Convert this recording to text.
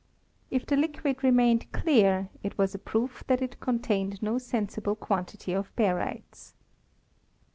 If the liquid remained clear it was a proof that it contained no sensible quantity of barytes.